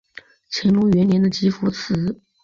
乾隆元年的集福祠。